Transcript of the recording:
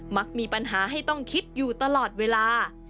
มักมีปัญหาให้ต้องคิดอยู่ตลอดเวลา